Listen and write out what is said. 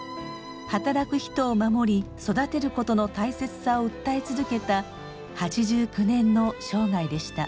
働く人を守り育てることの大切さを訴え続けた８９年の生涯でした。